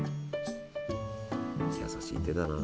優しい手だな。